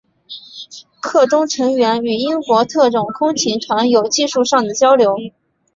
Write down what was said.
课中成员与英国特种空勤团有技术上的交流。